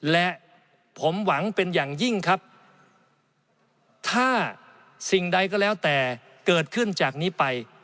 และผมหวังเป็นอย่างยิ่งครับถ้าสิ่งใดก็แล้วแต่เกิดขึ้นจากนี้ไป